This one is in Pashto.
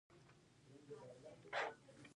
د ریګ دښتې د افغانانو د اړتیاوو د پوره کولو وسیله ده.